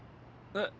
えっ？